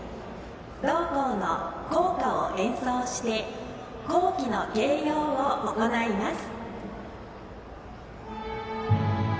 同校の校歌を演奏して校旗の掲揚を行います。